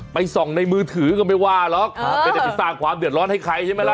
ส่องในมือถือก็ไม่ว่าหรอกไม่ได้ไปสร้างความเดือดร้อนให้ใครใช่ไหมล่ะ